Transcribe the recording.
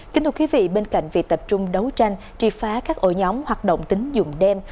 kính thưa quý vị bên cạnh việc tập trung đấu tranh tri phá các ổ nhóm hoạt động tính dùng đem